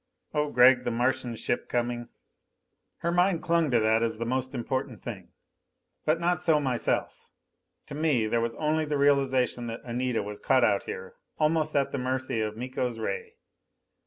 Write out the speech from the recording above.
"Oh Gregg! The Martian ship coming!" Her mind clung to that as the most important thing. But not so myself. To me there was only the realization that Anita was caught out here, almost at the mercy of Miko's ray.